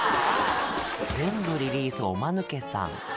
全部リリースおマヌケさん